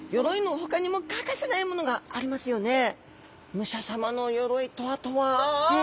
武者様の鎧とあとは！？え。